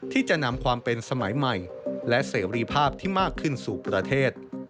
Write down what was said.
ที่จะนำความเป็นสมัยใหม่และเสรีภาพที่มากขึ้นสู่ประเทศ